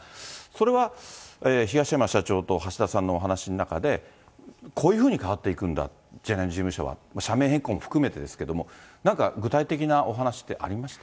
それは東山社長と橋田さんのお話の中で、こういうふうに変わっていくんだ、ジャニーズ事務所は、社名変更も含めてですけれども、なんか具体的なお話ってありまし